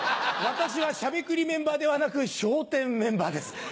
私はしゃべくりメンバーではなく笑点メンバーです。